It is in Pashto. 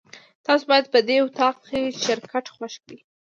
تاسو باید په دې اطاق کې چپرکټ خوښ کړئ.